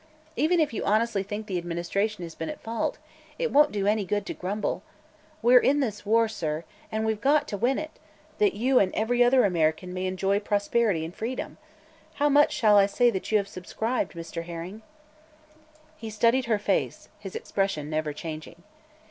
Even if you honestly think the administration has been at fault, it won't do any good to grumble. We are in this war, sir, and we've got to win it, that you and every other American may enjoy prosperity and freedom. How much shall I say that you have subscribed, Mr. Herring?" He studied her face, his expression never changing.